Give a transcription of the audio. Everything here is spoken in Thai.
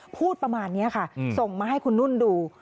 พูดประมาณนี้ค่ะส่งมาให้คุณนุ่นดู